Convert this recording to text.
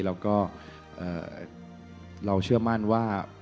แล้วก็เราเชื่อมั่นว่า